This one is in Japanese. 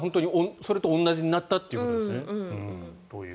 それと同じになったということですね。